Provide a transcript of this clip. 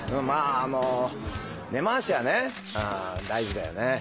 あの根回しは大事だよね。